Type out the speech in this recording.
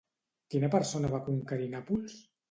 Quina persona va conquerir Nàpols?